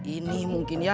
ini mungkin ya